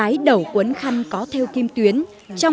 yên tranh và lội thôn